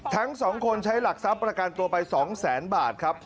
ทั้ง๒คนใช้หลักทรัพย์ประกันตัวไป๒แสนบาทครับ